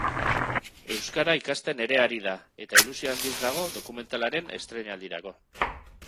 Euskara ikasten ere ari da eta ilusio handiz dago dokumentalaren estreinaldirako.